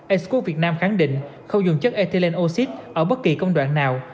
asicut việt nam khẳng định không dùng chất ethylene oxy ở bất kỳ công đoạn nào